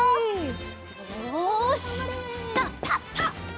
よしたったったったっ！